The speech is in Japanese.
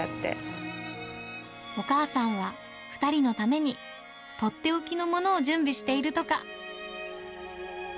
お母さんは、２人のために取って置きのものを準備しているとか。